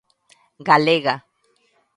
Galega.